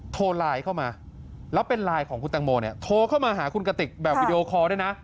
โทรไลน์เข้ามาแล้วเป็นไลน์ของคุณตังโมเนี่ยโทรเข้ามาหาคุณกติกแบบวิดีโอคอร์ด้วยนะ